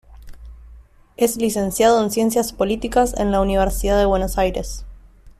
Es Licenciado en Ciencias Políticas en la Universidad de Buenos Aires.